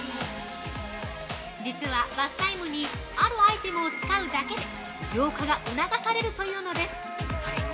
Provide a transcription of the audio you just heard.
実はバスタイムに、あるアイテムを使うだけで浄化が促されるというのです、それが